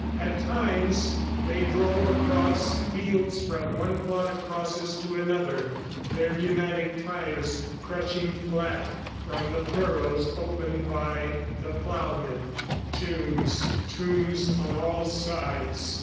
At times, they drove across fields from one plot of crosses to another, their pneumatic tires crushing flat from the furrows opened by the plowman. Tombs ... tombs on all sides!